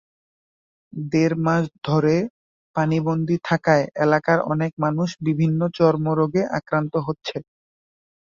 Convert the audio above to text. দেড় মাস ধরে পানিবন্দী থাকায় এলাকার অনেক মানুষ বিভিন্ন চর্মরোগে আক্রান্ত হচ্ছে।